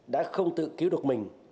đã không tự cứu được mình